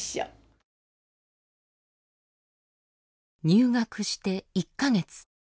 入学して１か月。